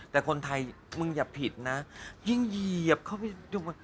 แต่คนไทยมึงอย่าผิดนะยิ่งเหยียบเข้าไปดู